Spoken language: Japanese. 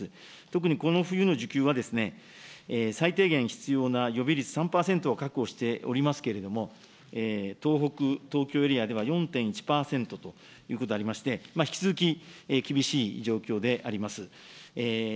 特にこの冬の需給は、最低限必要な予備率３％を確保しておりますけれども、東北、東京エリアでは、４．１％ということでありまして、引き続き、厳しい状況であります。